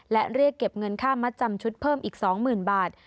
และเรียกเก็บเงินค่ามัดจำชุดเพิ่มอีก๒๐๐๐บาท